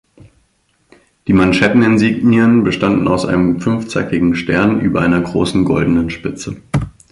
Die Manschetteninsignien bestanden aus einem fünfzackigen Stern über einer großen goldenen Spitze.